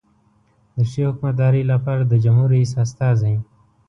د ښې حکومتدارۍ لپاره د جمهور رئیس استازی.